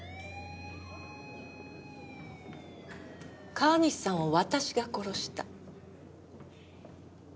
川西さんを私が殺した。